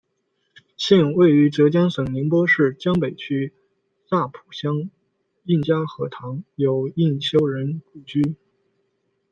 现位于浙江省宁波市江北区乍浦乡应家河塘有应修人故居。